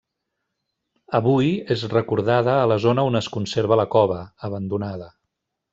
Avui, és recordada a la zona on es conserva la cova, abandonada.